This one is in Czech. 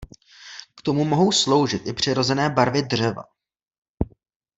K tomu mohou sloužit i přirozené barvy dřeva.